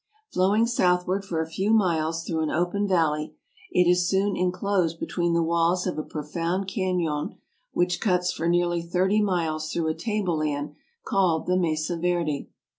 Flowing southward for a few miles through an open valley, it is soon inclosed between the walls of a profound canon which cuts for nearly thirty miles through a table land called the Mesa Verde.